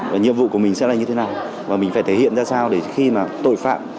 và nhiệm vụ của mình sẽ là như thế nào và mình phải thể hiện ra sao để khi mà tội phạm